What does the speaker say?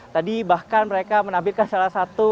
tadi bahkan mereka menampilkan salah satu